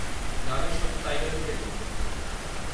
গানের স্বত্ব tiger media লিমিটেডের।